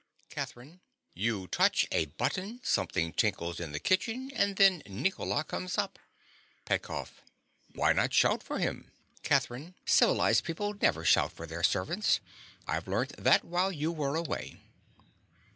CATHERINE. You touch a button; something tinkles in the kitchen; and then Nicola comes up. PETKOFF. Why not shout for him? CATHERINE. Civilized people never shout for their servants. I've learnt that while you were away.